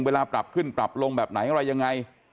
ปรับขึ้นปรับลงแบบไหนอะไรยังไง